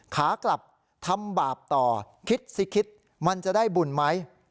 ขากลับทำบาปต่อคิดสิคิดมันจะได้บุญไหม